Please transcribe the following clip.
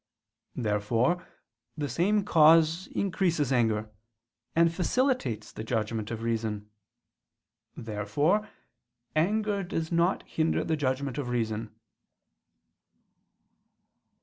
Therefore the same cause increases anger, and facilitates the judgment of reason. Therefore anger does not hinder the judgment of reason.